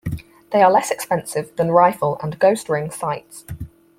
They are less expensive than rifle and ghost-ring sights.